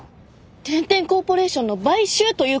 天・天コーポレーションの買収ということですか？